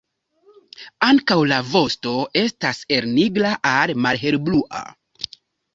Ankaŭ la vosto estas el nigra al malhelblua.